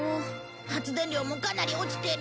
発電量もかなり落ちてる。